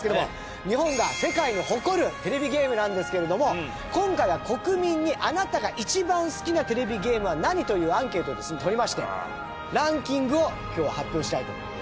日本が世界に誇るテレビゲームなんですけれども今回は、国民に「あなたが一番好きなテレビゲームは何？」というアンケートをですね取りましてランキングを今日は発表したいと思います。